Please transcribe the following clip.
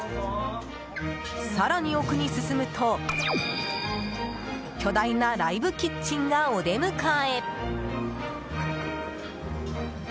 更に奥に進むと巨大なライブキッチンがお出迎え。